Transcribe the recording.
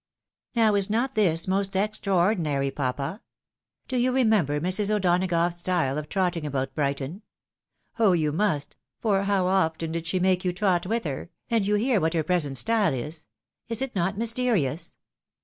" Now is not this most extraordinary, papa ? Do you re member Mrs. O'Donagough's style of trotting about Brighton ? Oh ! you must — ^for how often did she make you trot with her? And you hear what her present style is ! Is it not mysterious